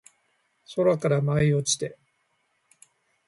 空から舞い落ちて